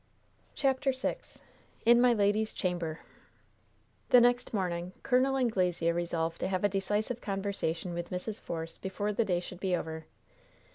CHAPTER VI "IN MY LADY'S CHAMBER" The next morning Col. Anglesea resolved to have a decisive conversation with Mrs. Force before the day should be over.